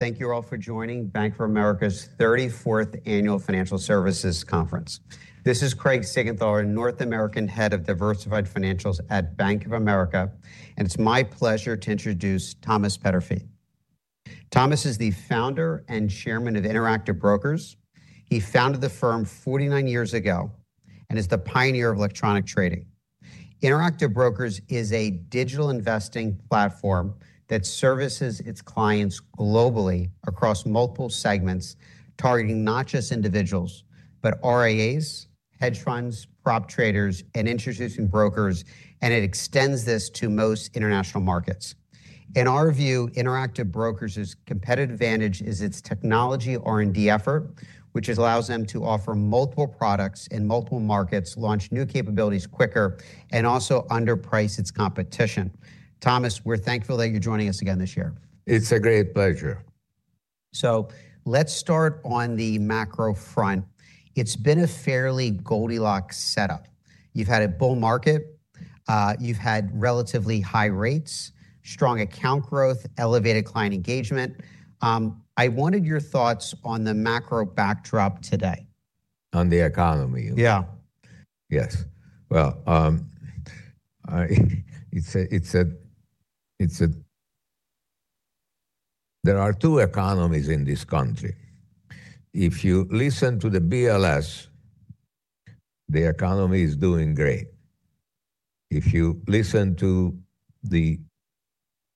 Thank you all for joining Bank of America's 34th Annual Financial Services Conference. This is Craig Siegenthaler, North American Head of Diversified Financials at Bank of America, and it's my pleasure to introduce Thomas Peterffy. Thomas is the founder and chairman of Interactive Brokers. He founded the firm 49 years ago, and is the pioneer of electronic trading. Interactive Brokers is a digital investing platform that services its clients globally across multiple segments, targeting not just individuals, but RIAs, hedge funds, prop traders, and institutional brokers, and it extends this to most international markets. In our view, Interactive Brokers' competitive advantage is its technology R&D effort, which allows them to offer multiple products in multiple markets, launch new capabilities quicker, and also underprice its competition. Thomas, we're thankful that you're joining us again this year. It's a great pleasure. So let's start on the macro front. It's been a fairly Goldilocks setup. You've had a bull market, you've had relatively high rates, strong account growth, elevated client engagement. I wanted your thoughts on the macro backdrop today. On the economy, you mean? Yeah. Yes. Well, there are two economies in this country. If you listen to the BLS, the economy is doing great. If you listen to the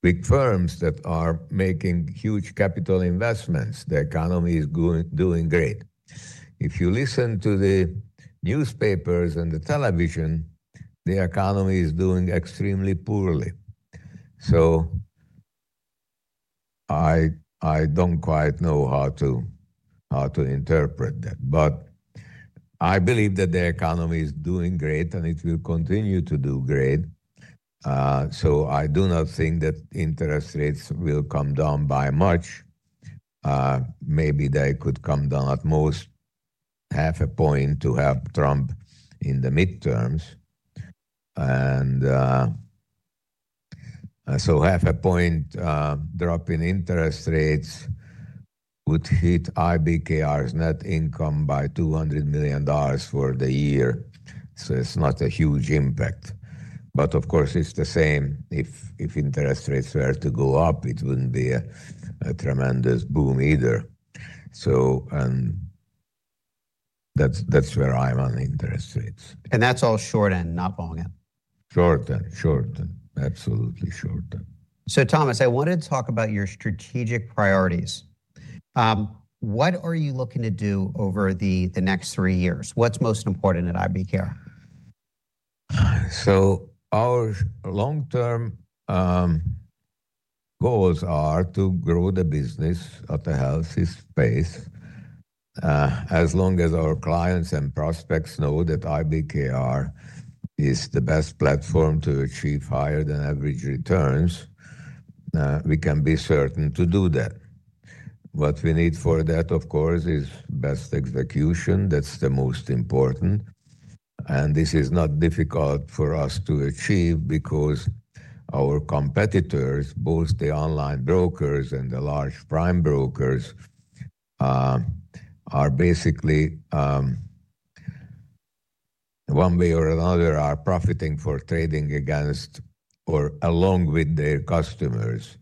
big firms that are making huge capital investments, the economy is doing great. If you listen to the newspapers and the television, the economy is doing extremely poorly. So I don't quite know how to interpret that. But I believe that the economy is doing great, and it will continue to do great. So I do not think that interest rates will come down by much. Maybe they could come down at most half a point to help Trump in the midterms. So 0.5 point drop in interest rates would hit IBKR's net income by $200 million for the year, so it's not a huge impact. But of course, it's the same if interest rates were to go up, it wouldn't be a tremendous boom either. So, and that's where I'm on interest rates. That's all short end, not long end? Short end. Short end. Absolutely short end. So Thomas, I wanted to talk about your strategic priorities. What are you looking to do over the next three years? What's most important at IBKR? So our long-term goals are to grow the business at a healthy pace. As long as our clients and prospects know that IBKR is the best platform to achieve higher than average returns, we can be certain to do that. What we need for that, of course, is best execution. That's the most important, and this is not difficult for us to achieve because our competitors, both the online brokers and the large prime brokers, are basically, one way or another, are profiting for trading against or along with their customers.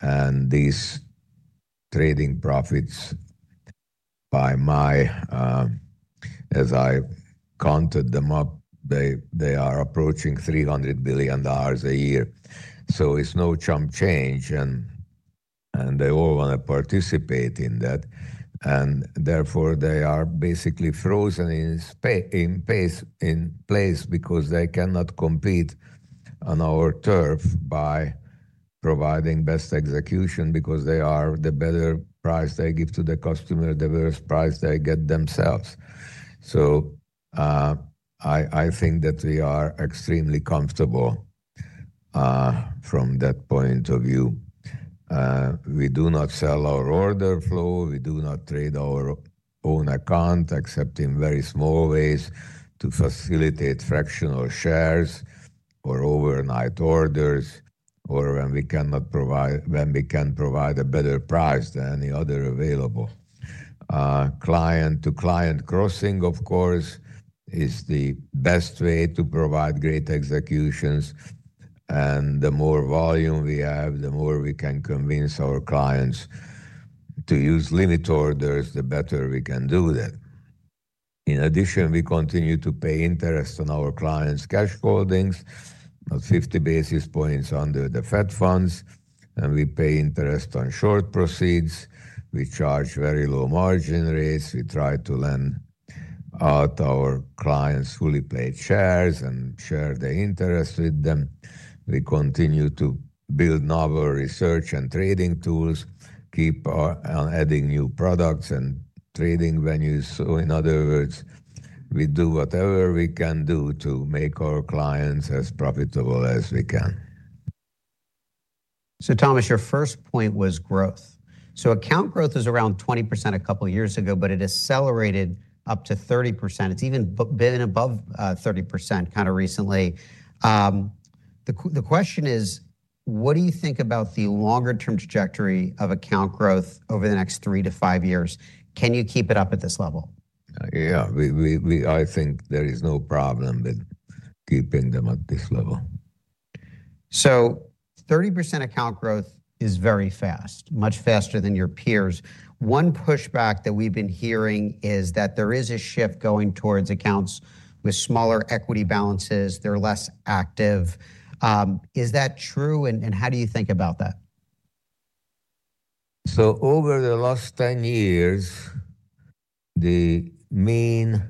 And these trading profits, by my, as I counted them up, they are approaching $300 billion a year. So it's no chump change, and they all wanna participate in that, and therefore, they are basically frozen in place because they cannot compete on our turf by providing best execution because the better price they give to the customer, the worse price they get themselves. So, I think that we are extremely comfortable from that point of view. We do not sell our order flow. We do not trade our own account, except in very small ways to facilitate fractional shares or overnight orders, or when we can provide a better price than the other available. Client-to-client crossing, of course, is the best way to provide great executions, and the more volume we have, the more we can convince our clients to use limit orders, the better we can do that. In addition, we continue to pay interest on our clients' cash holdings of 50 basis points under the Fed funds, and we pay interest on short proceeds. We charge very low margin rates. We try to lend out our clients' fully paid shares and share the interest with them. We continue to build novel research and trading tools, keep on adding new products and trading venues. So in other words, we do whatever we can do to make our clients as profitable as we can. So Thomas, your first point was growth. Account growth is around 20% a couple of years ago, but it accelerated up to 30%. It's even been above 30% kind of recently. The question is, what do you think about the longer term trajectory of account growth over the next three to five years? Can you keep it up at this level? Yeah, I think there is no problem with keeping them at this level. So 30% account growth is very fast, much faster than your peers. One pushback that we've been hearing is that there is a shift going towards accounts with smaller equity balances, they're less active. Is that true, and, and how do you think about that? So over the last 10 years, the mean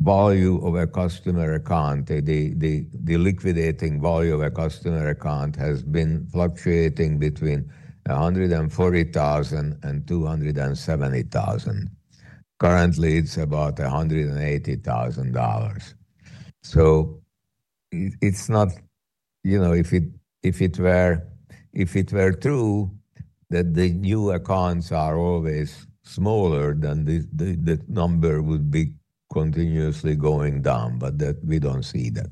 value of a customer account, the liquidating value of a customer account, has been fluctuating between $140,000 and $270,000. Currently, it's about $180,000. So it's not, you know, if it were true that the new accounts are always smaller, then the number would be continuously going down, but that we don't see that.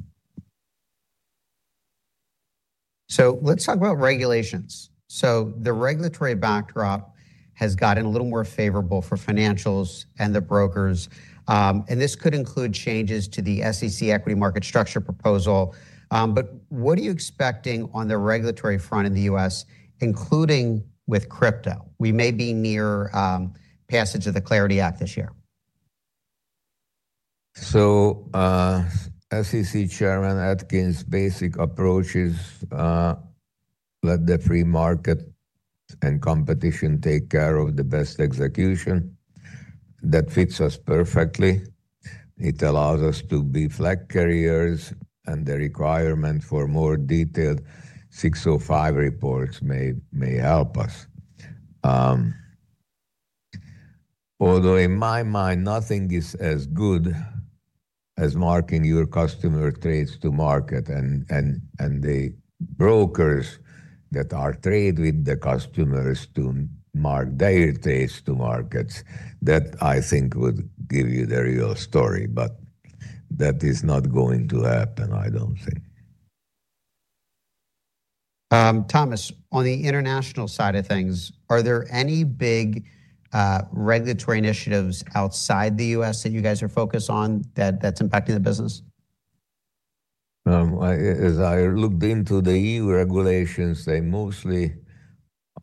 So let's talk about regulations. The regulatory backdrop has gotten a little more favorable for financials and the brokers, and this could include changes to the SEC equity market structure proposal. But what are you expecting on the regulatory front in the U.S., including with crypto? We may be near passage of the Clarity Act this year. SEC Chairman Atkins' basic approach is let the free market and competition take care of the best execution. That fits us perfectly. It allows us to be flag carriers, and the requirement for more detailed 605 reports may help us. Although in my mind, nothing is as good as marking your customer trades to market, and the brokers that are trade with the customers to mark their trades to markets, that I think would give you the real story, but that is not going to happen, I don't think. Thomas, on the international side of things, are there any big regulatory initiatives outside the U.S. that you guys are focused on, that's impacting the business? I, as I looked into the EU regulations, they mostly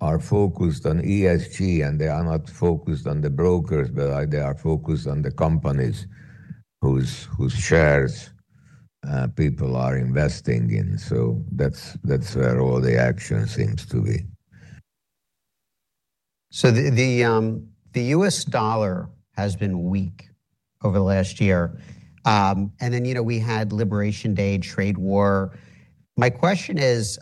are focused on ESG, and they are not focused on the brokers, but they are focused on the companies whose shares people are investing in. So that's where all the action seems to be. So the U.S. dollar has been weak over the last year. And then, you know, we had Liberation Day trade war. My question is,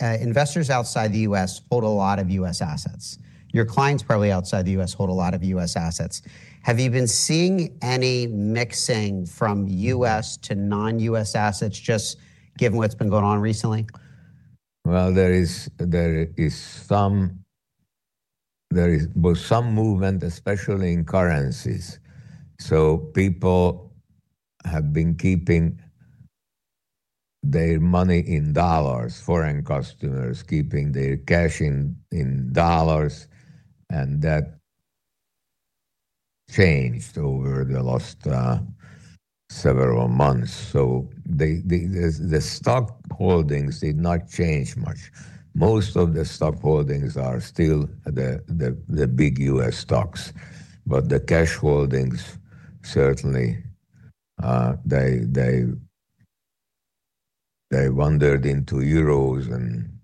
investors outside the U.S. hold a lot of U.S. assets. Your clients, probably outside the U.S., hold a lot of U.S. assets. Have you been seeing any mixing from U.S. to non-U.S. assets, just given what's been going on recently? Well, there is some movement, especially in currencies. So people have been keeping their money in dollars, foreign customers keeping their cash in dollars, and that changed over the last several months. So the stock holdings did not change much. Most of the stock holdings are still the big U.S. stocks, but the cash holdings, certainly, they wandered into euros and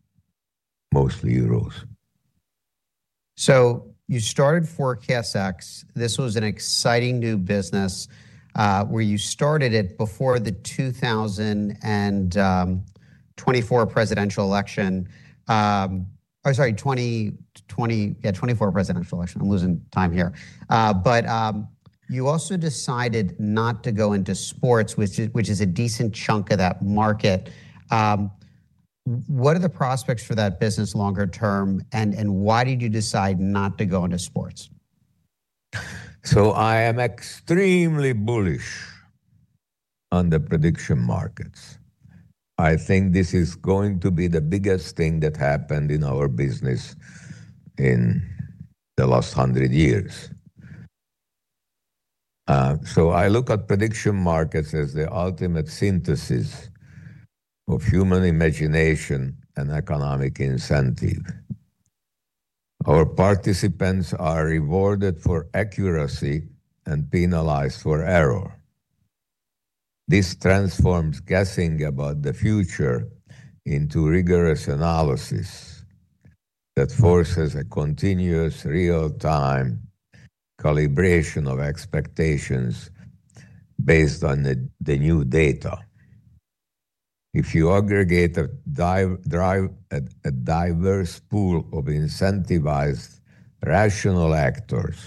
mostly euros. So you started ForecastEx. This was an exciting new business, where you started it before the 2024 presidential election. Yeah, 2024 presidential election. I'm losing time here. But you also decided not to go into sports, which is a decent chunk of that market. What are the prospects for that business longer term, and why did you decide not to go into sports? So I am extremely bullish on the prediction markets. I think this is going to be the biggest thing that happened in our business in the last hundred years. So I look at prediction markets as the ultimate synthesis of human imagination and economic incentive. Our participants are rewarded for accuracy and penalized for error. This transforms guessing about the future into rigorous analysis that forces a continuous, real-time calibration of expectations based on the new data. If you aggregate a diverse pool of incentivized, rational actors,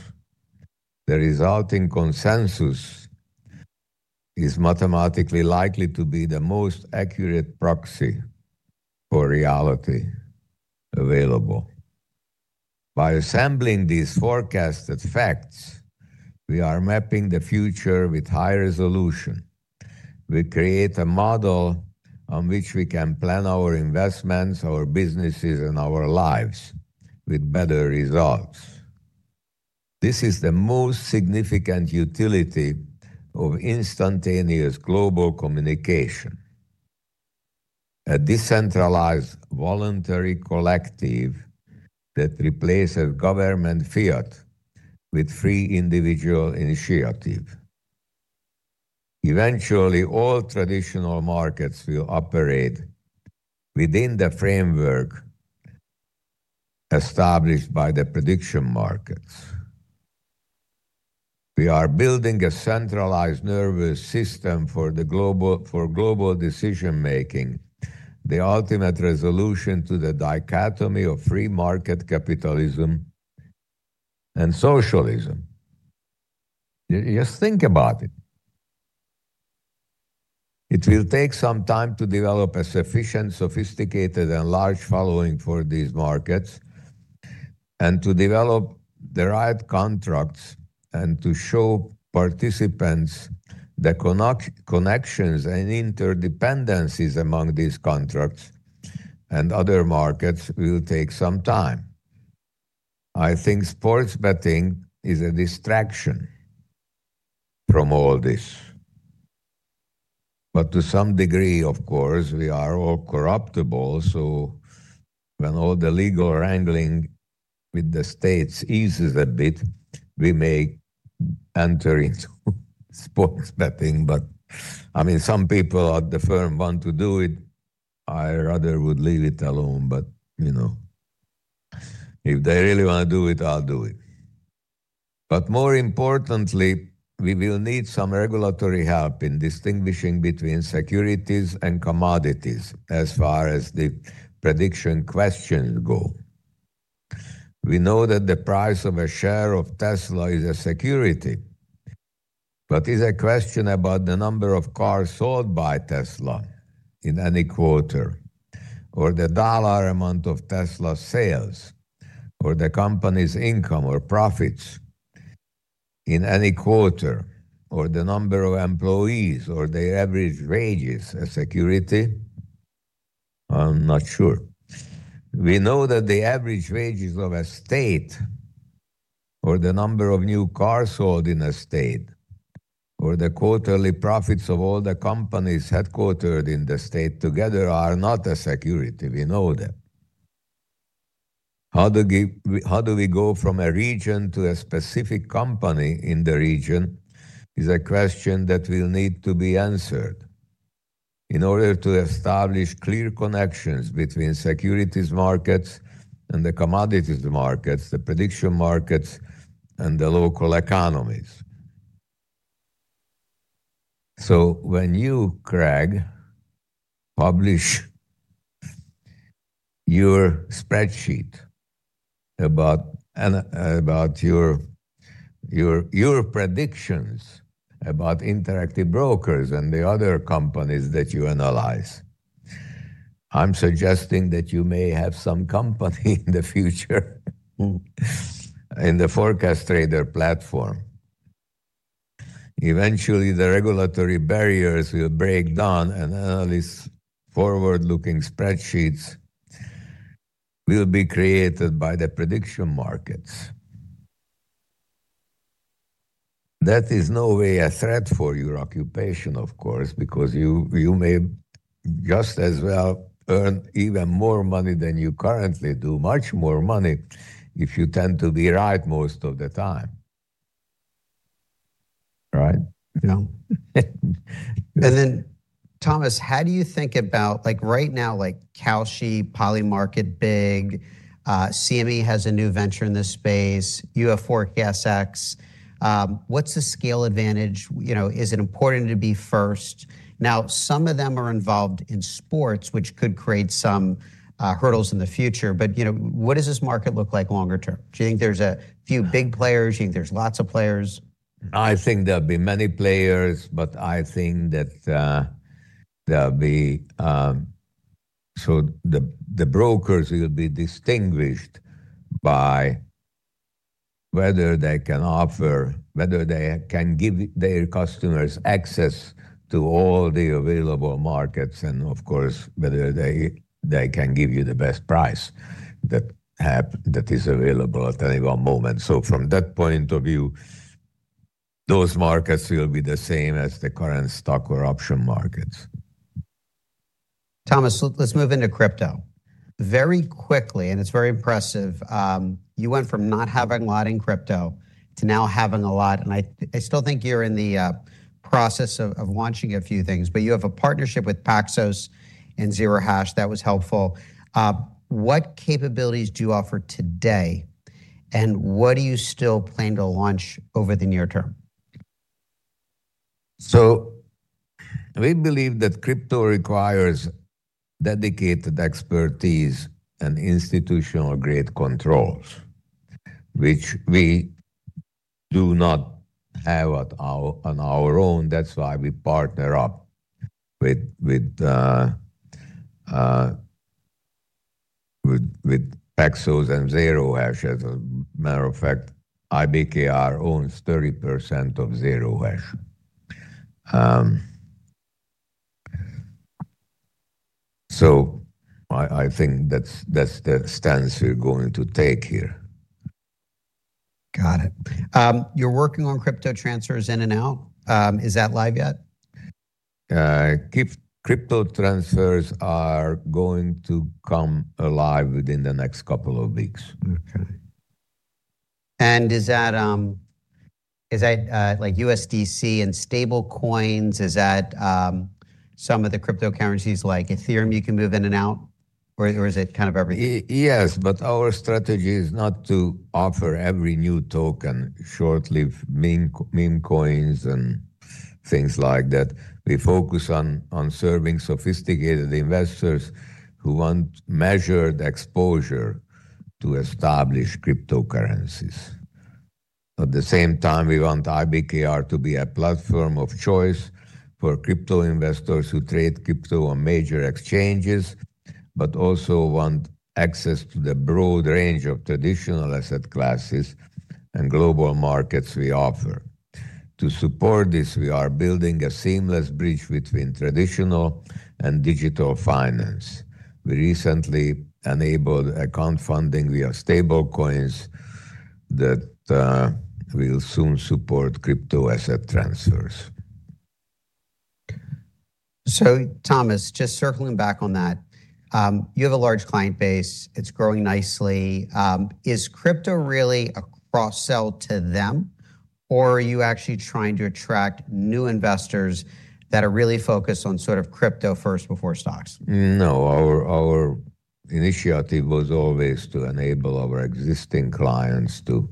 the resulting consensus is mathematically likely to be the most accurate proxy for reality available. By assembling these forecasted facts, we are mapping the future with high resolution. We create a model on which we can plan our investments, our businesses, and our lives with better results. This is the most significant utility of instantaneous global communication. A decentralized, voluntary collective that replaces government fiat with free individual initiative. Eventually, all traditional markets will operate within the framework established by the prediction markets. We are building a centralized nervous system for the global, for global decision-making, the ultimate resolution to the dichotomy of free market capitalism and socialism. Just think about it. It will take some time to develop a sufficient, sophisticated, and large following for these markets, and to develop the right contracts, and to show participants the connections and interdependencies among these contracts and other markets will take some time. I think sports betting is a distraction from all this. But to some degree, of course, we are all corruptible, so when all the legal wrangling with the states eases a bit, we may enter into sports betting. But, I mean, some people at the firm want to do it. I rather would leave it alone, but, you know, if they really wanna do it, I'll do it. But more importantly, we will need some regulatory help in distinguishing between securities and commodities as far as the prediction questions go. We know that the price of a share of Tesla is a security, but is a question about the number of cars sold by Tesla in any quarter, or the dollar amount of Tesla sales, or the company's income or profits in any quarter, or the number of employees, or the average wages, a security? I'm not sure. We know that the average wages of a state, or the number of new cars sold in a state, or the quarterly profits of all the companies headquartered in the state together are not a security. We know that. How do we go from a region to a specific company in the region is a question that will need to be answered in order to establish clear connections between securities markets and the commodities markets, the prediction markets, and the local economies. So when you, Craig, publish your spreadsheet about about your predictions about Interactive Brokers and the other companies that you analyze, I'm suggesting that you may have some company in the future, in the ForecastTrader platform. Eventually, the regulatory barriers will break down, and analyst forward-looking spreadsheets will be created by the prediction markets. That is no way a threat for your occupation, of course, because you may just as well earn even more money than you currently do, much more money, if you tend to be right most of the time. Right? You know? And then, Thomas, how do you think about, like, right now, like, Kalshi, Polymarket, Big, CME has a new venture in this space, you have ForecastEx. What's the scale advantage? You know, is it important to be first? Now, some of them are involved in sports, which could create some hurdles in the future, but, you know, what does this market look like longer term? Do you think there's a few big players? Do you think there's lots of players? I think there'll be many players, but I think that there'll be. So the brokers will be distinguished by whether they can give their customers access to all the available markets, and of course, whether they can give you the best price that is available at any one moment. So from that point of view, those markets will be the same as the current stock or option markets. Thomas, let's move into crypto. Very quickly, and it's very impressive, you went from not having a lot in crypto to now having a lot, and I, I still think you're in the process of launching a few things. But you have a partnership with Paxos and Zero Hash. That was helpful. What capabilities do you offer today, and what do you still plan to launch over the near term? So we believe that crypto requires dedicated expertise and institutional-grade controls, which we do not have at our, on our own. That's why we partner up with Paxos and Zero Hash. As a matter of fact, IBKR owns 30% of Zero Hash. So I think that's the stance we're going to take here. Got it. You're working on crypto transfers in and out. Is that live yet? Crypto transfers are going to come alive within the next couple of weeks. Okay. And is that, like USDC and stablecoins, is that some of the cryptocurrencies, like Ethereum, you can move in and out, or is it kind of every- Yes, but our strategy is not to offer every new token, short-lived meme, meme coins, and things like that. We focus on serving sophisticated investors who want measured exposure to establish cryptocurrencies. At the same time, we want IBKR to be a platform of choice for crypto investors who trade crypto on major exchanges, but also want access to the broad range of traditional asset classes and global markets we offer. To support this, we are building a seamless bridge between traditional and digital finance. We recently enabled account funding via stablecoins that will soon support crypto asset transfers. Thomas, just circling back on that, you have a large client base. It's growing nicely. Is crypto really a cross-sell to them, or are you actually trying to attract new investors that are really focused on sort of crypto first before stocks? No, our initiative was always to enable our existing clients to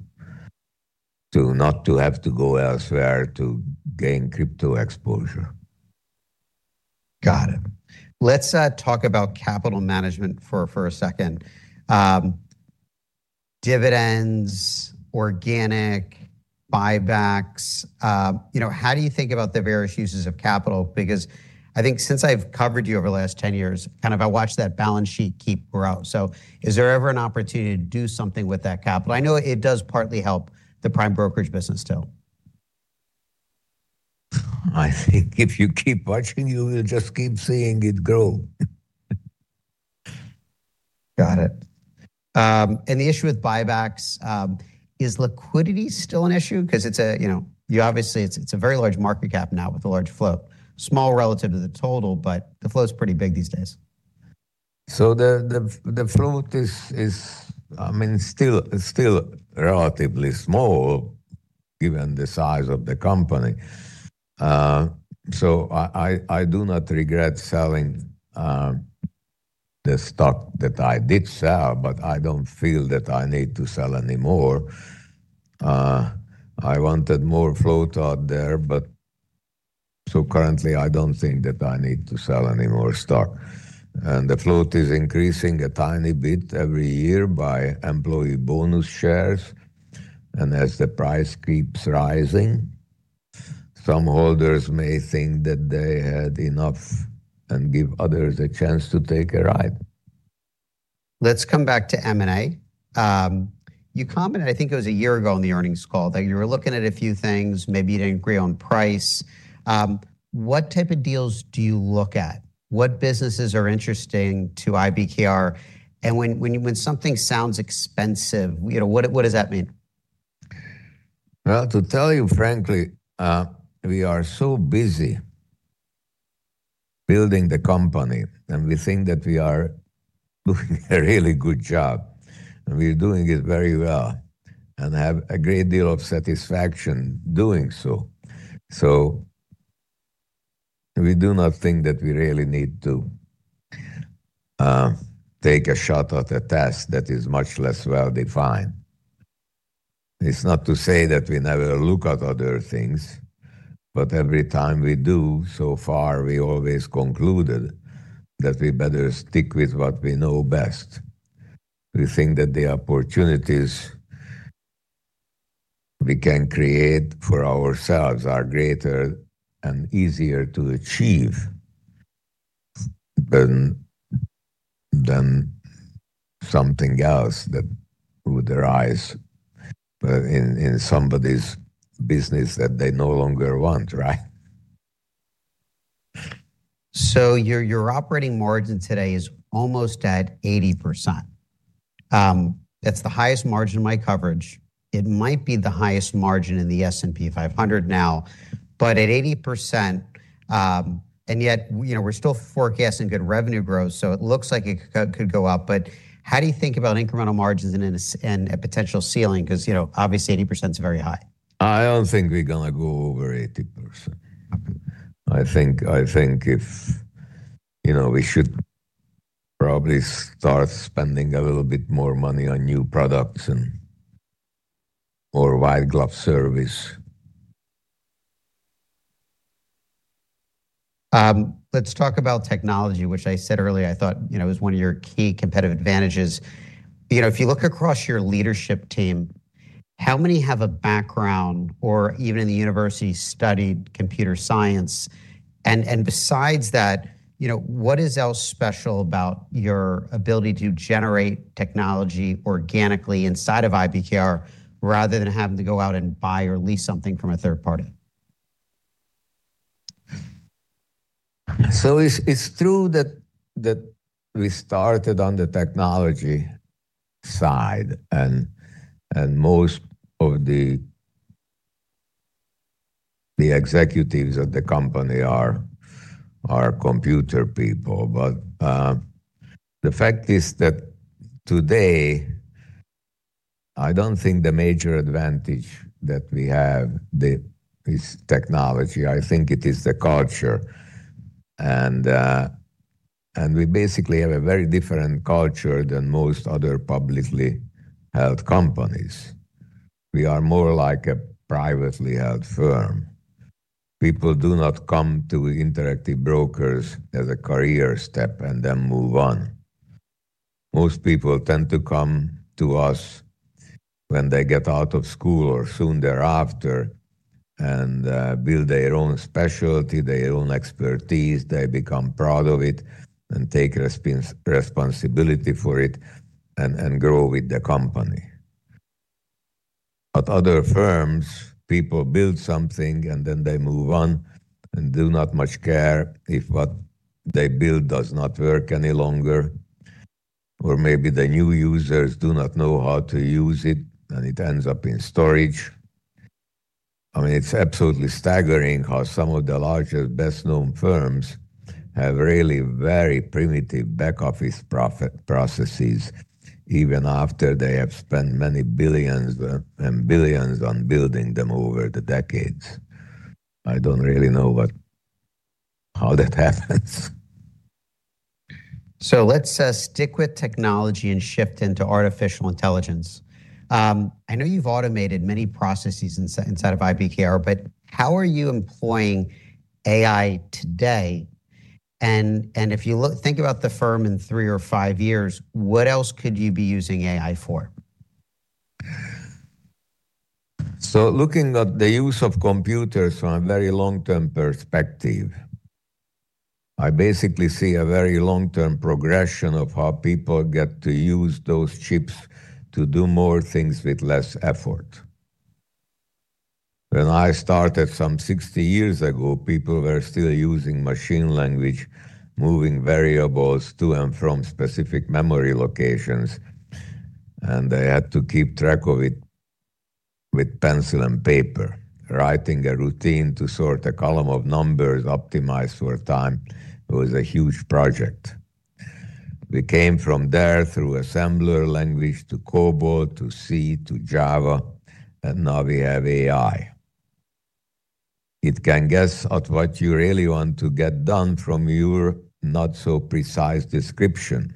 not have to go elsewhere to gain crypto exposure. Got it. Let's talk about capital management for a second. Dividends, organic buybacks, you know, how do you think about the various uses of capital? Because I think since I've covered you over the last 10 years, kind of I watched that balance sheet keep growing. So is there ever an opportunity to do something with that capital? I know it does partly help the prime brokerage business too. I think if you keep watching, you will just keep seeing it grow. Got it. And the issue with buybacks, is liquidity still an issue? Because it's a, you know... You obviously, it's a very large market cap now with a large float. Small relative to the total, but the flow is pretty big these days. So the float is, I mean, still relatively small given the size of the company. So I do not regret selling the stock that I did sell, but I don't feel that I need to sell any more. I wanted more float out there, but... So currently, I don't think that I need to sell any more stock. And the float is increasing a tiny bit every year by employee bonus shares, and as the price keeps rising, some holders may think that they had enough and give others a chance to take a ride. Let's come back to M&A. You commented, I think it was a year ago in the earnings call, that you were looking at a few things, maybe you didn't agree on price. What type of deals do you look at? What businesses are interesting to IBKR? And when something sounds expensive, you know, what does that mean? Well, to tell you frankly, we are so busy building the company, and we think that we are doing a really good job, and we're doing it very well and have a great deal of satisfaction doing so. So we do not think that we really need to take a shot at a task that is much less well-defined. It's not to say that we never look at other things, but every time we do, so far, we always concluded that we better stick with what we know best. We think that the opportunities we can create for ourselves are greater and easier to achieve than something else that would arise in somebody's business that they no longer want, right? So your operating margin today is almost at 80%. That's the highest margin of my coverage. It might be the highest margin in the S&P 500 now, but at 80%, and yet, you know, we're still forecasting good revenue growth, so it looks like it could go up. But how do you think about incremental margins and a potential ceiling? Because, you know, obviously, 80% is very high. I don't think we're gonna go over 80%. I think, I think if, you know, we should probably start spending a little bit more money on new products and more white glove service. Let's talk about technology, which I said earlier, I thought, you know, is one of your key competitive advantages. You know, if you look across your leadership team, how many have a background or even in the university studied computer science? And besides that, you know, what else is special about your ability to generate technology organically inside of IBKR, rather than having to go out and buy or lease something from a third party? So it's true that we started on the technology side, and most of the executives of the company are computer people. But the fact is that today, I don't think the major advantage that we have is technology. I think it is the culture. We basically have a very different culture than most other publicly held companies. We are more like a privately held firm. People do not come to Interactive Brokers as a career step and then move on. Most people tend to come to us when they get out of school or soon thereafter, build their own specialty, their own expertise. They become proud of it and take responsibility for it and grow with the company. At other firms, people build something, and then they move on and do not much care if what they build does not work any longer, or maybe the new users do not know how to use it, and it ends up in storage. I mean, it's absolutely staggering how some of the larger, best-known firms have really very primitive back office processes, even after they have spent $ many billions and billions on building them over the decades. I don't really know what, how that happens. So let's stick with technology and shift into artificial intelligence. I know you've automated many processes inside of IBKR, but how are you employing AI today? And if you think about the firm in three or five years, what else could you be using AI for? So looking at the use of computers from a very long-term perspective, I basically see a very long-term progression of how people get to use those chips to do more things with less effort. When I started some 60 years ago, people were still using Machine Language, moving variables to and from specific memory locations, and they had to keep track of it with pencil and paper. Writing a routine to sort a column of numbers, optimize for time, was a huge project. We came from there through Assembler Language, to COBOL, to C, to Java, and now we have AI. It can guess at what you really want to get done from your not-so-precise description.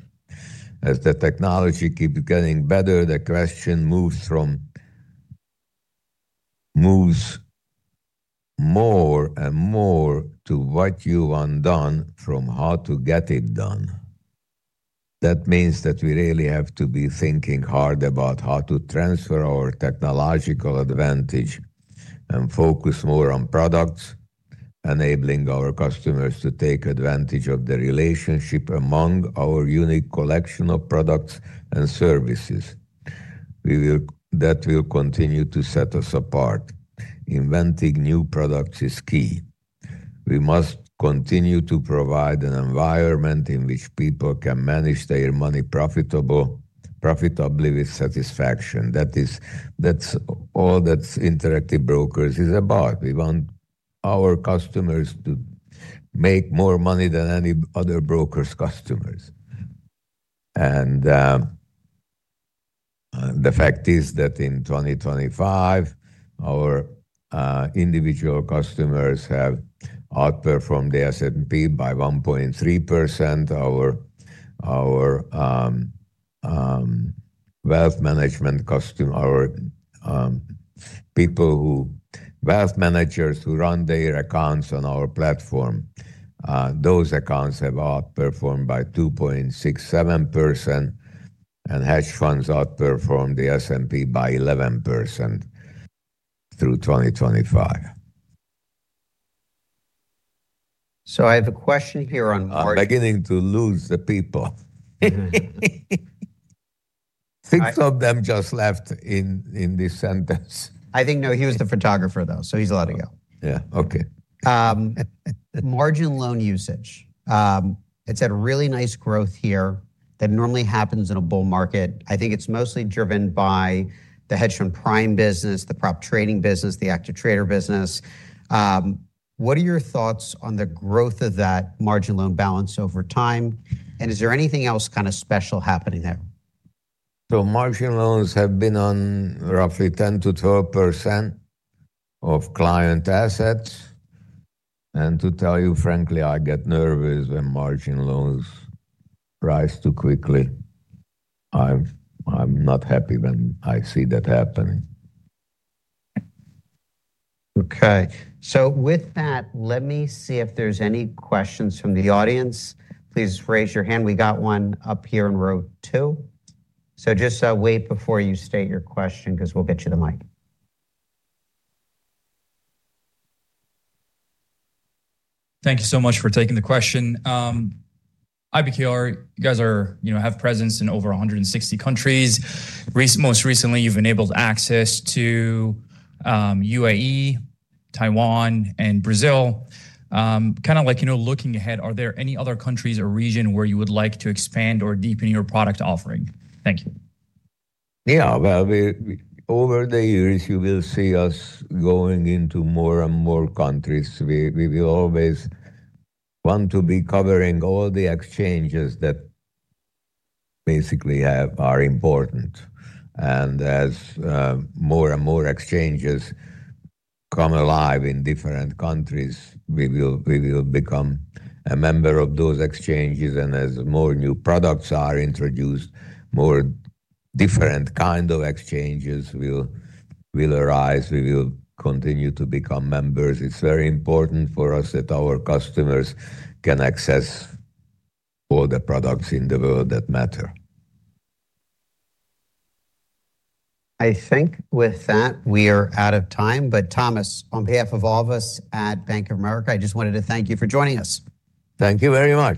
As the technology keeps getting better, the question moves from moves more and more to what you want done from how to get it done. That means that we really have to be thinking hard about how to transfer our technological advantage and focus more on products, enabling our customers to take advantage of the relationship among our unique collection of products and services. That will continue to set us apart. Inventing new products is key. We must continue to provide an environment in which people can manage their money profitable, profitably with satisfaction. That is, that's all that Interactive Brokers is about. We want our customers to make more money than any other broker's customers. And the fact is that in 2025, our individual customers have outperformed the S&P by 1.3%. Our wealth management customer, our people who, wealth managers who run their accounts on our platform, those accounts have outperformed by 2.67%, and hedge funds outperformed the S&P by 11% through 2025. I have a question here on- I'm beginning to lose the people. Six of them just left in this sentence. I think, no, he was the photographer, though, so he's allowed to go. Yeah. Okay. At margin loan usage, it's had a really nice growth here that normally happens in a bull market. I think it's mostly driven by the hedge fund prime business, the prop trading business, the active trader business. What are your thoughts on the growth of that margin loan balance over time, and is there anything else kind of special happening there? So margin loans have been on roughly 10%-12% of client assets, and to tell you frankly, I get nervous when margin loans rise too quickly. I'm not happy when I see that happening. Okay, so with that, let me see if there's any questions from the audience. Please raise your hand. We got one up here in row two. So just, wait before you state your question, 'cause we'll get you the mic. Thank you so much for taking the question. IBKR, you guys are, you know, have presence in over 160 countries. Most recently, you've enabled access to UAE, Taiwan, and Brazil. Kind of like, you know, looking ahead, are there any other countries or region where you would like to expand or deepen your product offering? Thank you. Yeah, well, over the years, you will see us going into more and more countries. We will always want to be covering all the exchanges that basically are important. And as more and more exchanges come alive in different countries, we will become a member of those exchanges, and as more new products are introduced, more different kind of exchanges will arise. We will continue to become members. It's very important for us that our customers can access all the products in the world that matter. I think with that, we are out of time, but Thomas, on behalf of all of us at Bank of America, I just wanted to thank you for joining us. Thank you very much.